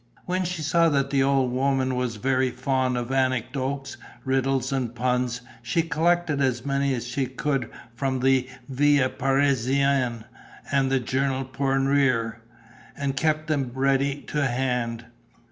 When she saw that the old woman was very fond of anecdotes, riddles and puns, she collected as many as she could from the Vie parisienne and the Journal pour rire and kept them ready to hand.